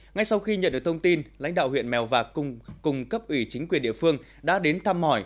ngay sau khi nhận được thông tin lãnh đạo huyện mèo vạc cùng cấp ủy chính quyền địa phương đã đến thăm mỏi